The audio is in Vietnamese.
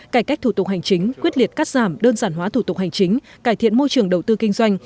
cải cách thủ tục hành chính quyết liệt cắt giảm đơn giản hóa thủ tục hành chính cải thiện môi trường đầu tư kinh doanh